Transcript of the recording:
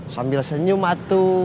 sambil senyum atu